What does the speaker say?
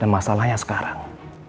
dan masalahnya sekarang